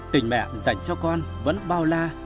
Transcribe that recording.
tình mẹ dành cho con vẫn bao la